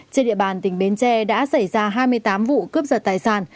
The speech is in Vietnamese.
trên địa bàn tỉnh bến tre đã xảy ra hai mươi tám vụ cướp giật tài sản